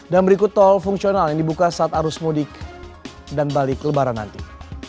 dan berikut tol fungsional yang dibuka saat arus mudik dan balik lebaran nanti